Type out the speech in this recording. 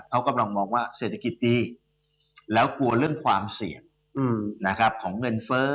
เขากำลังมองว่าเศรษฐกิจดีแล้วกลัวเรื่องความเสี่ยงของเงินเฟ้อ